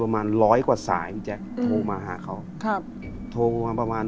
ประมาณร้อยกว่าสายพี่แจ๊คโทรมาหาเขาครับโทรมาประมาณ